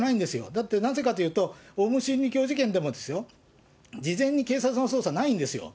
だって、なぜかというと、オウム真理教事件でも事前に警察の捜査ないんですよ。